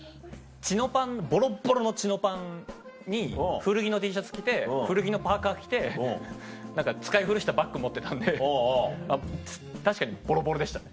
チノパンボロッボロのチノパンに古着のＴシャツ着て古着のパーカ着て使い古したバッグ持ってたんで確かにボロボロでしたね。